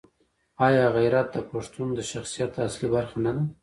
آیا غیرت د پښتون د شخصیت اصلي برخه نه ده؟